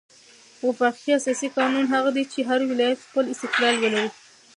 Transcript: وفاقي اساسي قانون هغه دئ، چي هر ولایت خپل استقلال ولري.